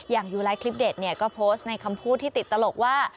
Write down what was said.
ยูไลท์คลิปเด็ดเนี่ยก็โพสต์ในคำพูดที่ติดตลกว่า